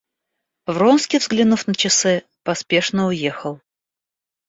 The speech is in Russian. Вронский, взглянув на часы, поспешно уехал.